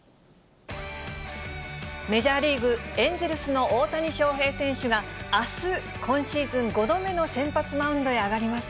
メジャーリーグ・エンゼルスの大谷翔平選手が、あす、今シーズン５度目の先発マウンドへ上がります。